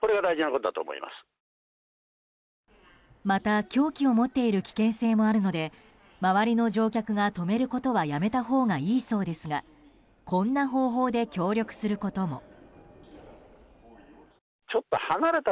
また、凶器を持っている危険性もあるので周りの乗客が止めることはやめたほうがいいそうですがこんな方法で協力することも。